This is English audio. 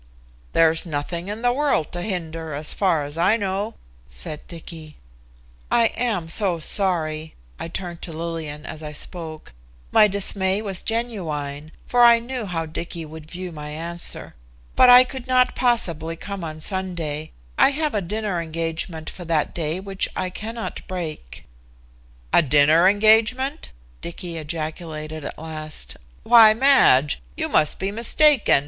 "There's nothing in the world to hinder as far as I know," said Dicky. "I am so sorry," I turned to Lillian as I spoke. My dismay was genuine, for I knew how Dicky would view my answer. "But I could not possibly come on Sunday. I have a dinner engagement for that day which I cannot break." "A dinner engagement!" Dicky ejaculated at last. "Why, Madge, you must be mistaken.